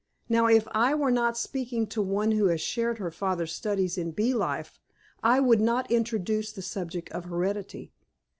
Now, if I were not speaking to one who has shared her father's studies in bee life, I would not introduce the subject of heredity.